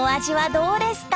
どうですか？